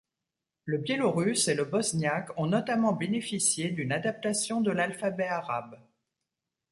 Le biélorusse et le bosniaque ont notamment bénéficié d'une adaptation de l'alphabet arabe.